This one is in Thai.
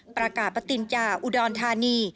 ประกาศปติญญาอุดรธานี